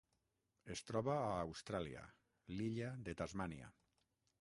Es troba a Austràlia: l'illa de Tasmània.